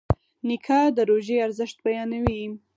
نیکه د روژې ارزښت بیانوي.